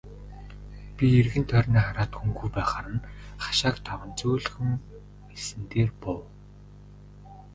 Би эргэн тойрноо хараад хүнгүй байхаар нь хашааг даван зөөлхөн элсэн дээр буув.